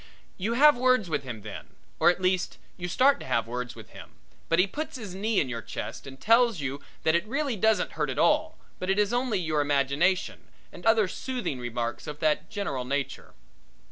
You have words with him then, or at least you start to have words with him, but he puts his knee in your chest and tells you that it really doesn't hurt at all, but is only your imagination, and utters other soothing remarks of that general nature.